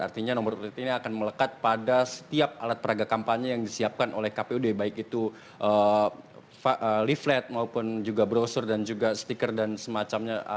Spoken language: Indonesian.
artinya nomor urut ini akan melekat pada setiap alat peraga kampanye yang disiapkan oleh kpud baik itu leaflet maupun juga brosur dan juga stiker dan semacamnya